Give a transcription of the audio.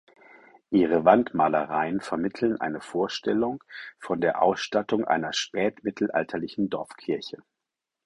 Ihre Wandmalereien vermitteln eine Vorstellung von der Ausstattung einer spätmittelalterlichen Dorfkirche.